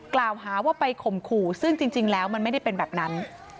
กล่าวหาว่าไปข่มขู่ซึ่งจริงแล้วมันไม่ได้เป็นแบบนั้น